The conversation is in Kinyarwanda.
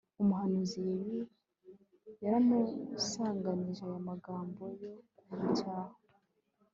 umuhanuzi Yehu yaramusanganije aya magambo yo kumucyaha